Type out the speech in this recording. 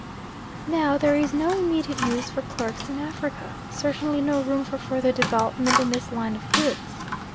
Now there is no immediate use for clerks in Africa, certainly no room for further development in this line of goods.